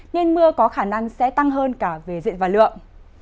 nên mưa có khả năng sẽ tăng hơn cả về diện và lượng